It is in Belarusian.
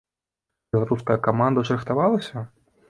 Беларуская каманда ж рыхтавалася?